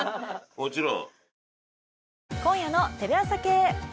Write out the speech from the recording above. もちろん。